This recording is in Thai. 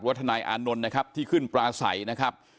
ทนายอานนท์นะครับที่ขึ้นปลาใสนะครับ